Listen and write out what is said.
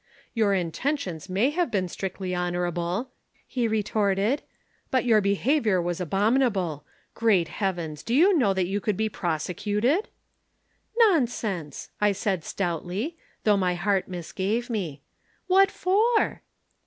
"'Your intentions may have been strictly honorable,' he retorted, 'but your behavior was abominable. Great heavens! Do you know that you could be prosecuted?' "'Nonsense!' I said stoutly, though my heart misgave me. 'What for?'